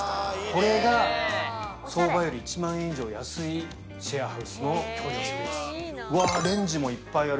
これが相場より１万円以上安いシェアハウスの共用スペース。